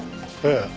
ええ。